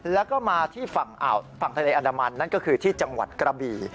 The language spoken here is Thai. แล้วก็มาที่ฝั่งทะเลอันดามันนั่นก็คือที่จังหวัดกระบี่